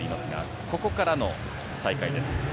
ここからの再開です。